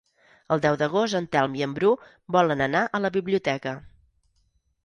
El deu d'agost en Telm i en Bru volen anar a la biblioteca.